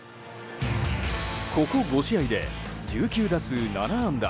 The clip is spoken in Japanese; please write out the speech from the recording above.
ここ５試合で１９打数７安打